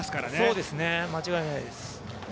そうですね、間違いないです